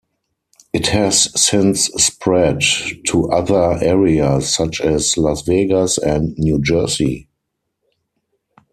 It has since spread to other areas, such as Las Vegas and New Jersey.